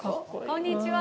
こんにちは。